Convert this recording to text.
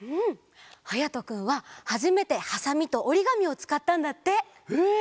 はやとくんははじめてハサミとおりがみをつかったんだって。え！？